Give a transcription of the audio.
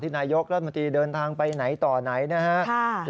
นายกรัฐมนตรีเดินทางไปไหนต่อไหนนะครับ